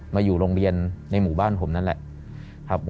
มาอยู่โรงเรียนในหมู่บ้านผมนั่นแหละครับ